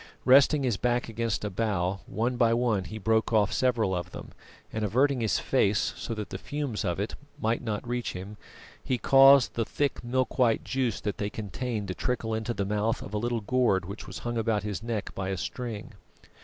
Resting his back against a bough, one by one he broke off several of them, and averting his face so that the fumes of it might not reach him, he caused the thick milk white juice that they contained to trickle into the mouth of a little gourd which was hung about his neck by a string.